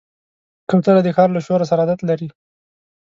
کوتره د ښار له شور سره عادت لري.